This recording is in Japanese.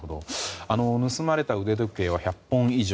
盗まれた腕時計は１００本以上。